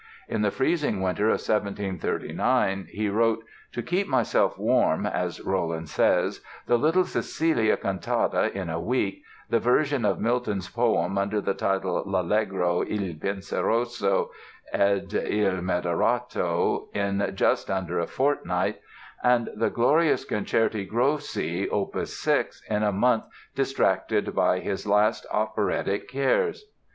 In the freezing winter of 1739 he wrote, "to keep himself warm" (as Rolland says) the "little" Cecilia cantata in a week, the version of Milton's poem (under the title "L'Allegro, Il Penseroso ed Il Moderato") in just under a fortnight, and the glorious Concerti Grossi, Opus 6, in a month distracted by his last operatic cares!